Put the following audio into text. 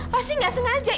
pasti nggak sengaja